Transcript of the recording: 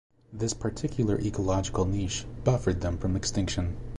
This particular ecological niche buffered them from extinction.